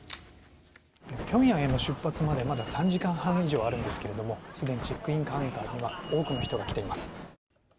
平壌への出発までまだ３時間半以上あるんですけどもすでにチェックインカウンターには多くの人が来ています。